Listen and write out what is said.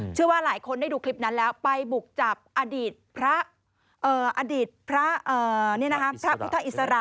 เชื่อว่าหลายคนได้ดูคลิปนั้นแล้วไปบุกจับอดีตพระอิสระ